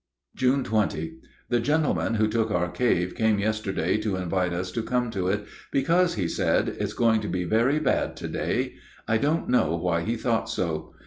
June 20. The gentleman who took our cave came yesterday to invite us to come to it, because, he said, "it's going to be very bad to day." I don't know why he thought so.